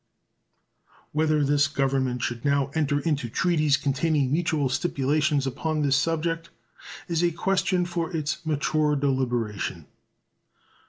Whether this Government should now enter into treaties containing mutual stipulations upon this subject is a question for its mature deliberation.